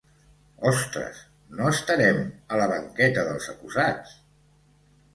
Ostres, no estarem a la banqueta dels acusats?